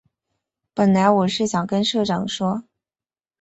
本来我是想跟社长说